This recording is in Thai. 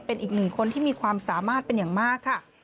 เป็นอีกหนึ่งคนที่มีความสามารถเป็นอย่างมากค่ะ